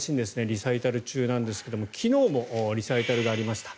リサイタル中なんですが昨日もリサイタルがありました。